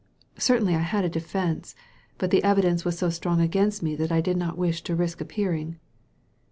Certainly I had a defence ; but the evidence was so strong against me that I did not wish to risk appearing."